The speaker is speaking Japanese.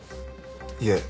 いえ。